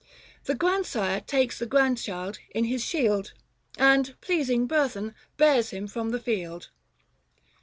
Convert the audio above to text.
The grandsire takes the grandchild in his shield, And, pleasing burthen, bears him from the field.